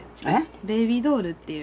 ベビードールっていう。